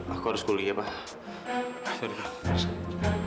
aku harus kuliah pak